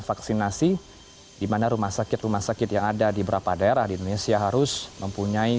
vaksinasi dimana rumah sakit rumah sakit yang ada di beberapa daerah di indonesia harus mempunyai